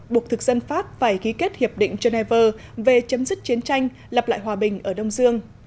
buộc thực dân pháp phải ghi kết hiệp định geneva về chấm dứt chiến tranh lập lại hòa bình ở đông dương